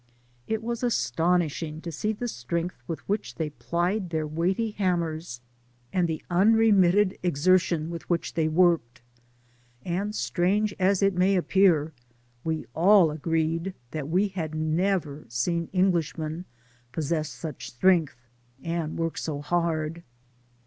It was astonishing to see the strength with which they plied their weighty hammers, and the unre mitted exertion with which they worked; and strange as it may appear, we all agreed that we had never seen Englishmen possess such strength, or work so hard.